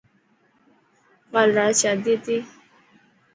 ڪال رات شادي هتي.